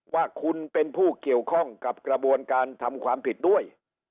ว่าคุณเป็นผู้เกี่ยวข้องกับกระบวนการทำความผิดด้วย